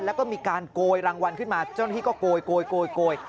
แล้วก็มีการโกยรางวัลขึ้นมาเจ้าหน้าที่ก็โกย